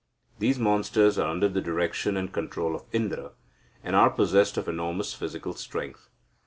These monsters are under the direction and control of Indra, and are possessed of enormous physical strength.